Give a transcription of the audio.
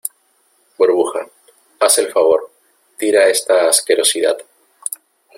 burbuja, haz el favor , tira esta asquerosidad ,